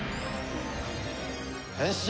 変身！